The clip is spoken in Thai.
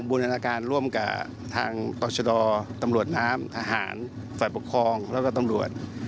บูรณาการร่วมกับทางต่อชะดอตำรวจน้ำทหารฝ่ายปกครองแล้วก็ตำรวจ